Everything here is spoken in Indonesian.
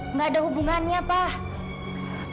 nggak ada hubungannya pak